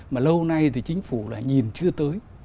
mà lâu nay thì chính phủ là nhìn chưa tới